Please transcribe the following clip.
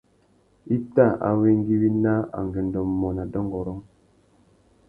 I tà awéngüéwina angüêndô mô nà dôngôrông.